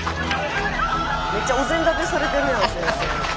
めっちゃお膳立てされてるやん先生。